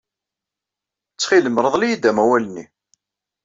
Ttxil-m, rḍel-iyi-d amawal-nni.